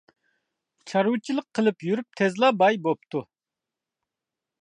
چارۋىچىلىق قىلىپ يۈرۈپ تېزلا باي بوپتۇ.